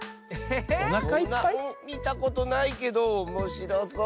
みたことないけどおもしろそう。